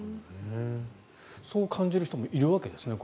そう感じる人もいるわけですね。